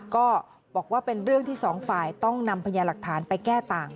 ก็บอกว่าเป็นเรื่องที่สองฝ่ายต้องนำพญาหลักฐานไปแก้ต่าง